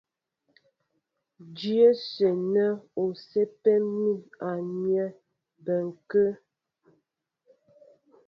Dyɛ̌ ásə́ nɛ́ ú sɛ́pɛ mǐm a myɛ́ bɔnkɛ́.